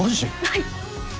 はい。